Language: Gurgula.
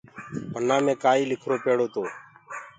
پنآ مي ڪآئيٚ لکرو پيڙو تو۔